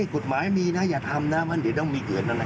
กฎหมายมีนะอย่าทำน้ำอ้านเดียวต้องมีเกิน